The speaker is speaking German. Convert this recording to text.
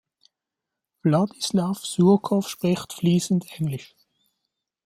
Wladislaw Surkow spricht fließend Englisch.